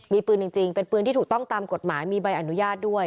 มีปืนจริงเป็นปืนที่ถูกต้องตามกฎหมายมีใบอนุญาตด้วย